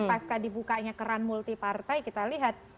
pasca dibukanya keran multi partai kita lihat